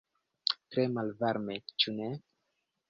Tre malvarme, ĉu ne?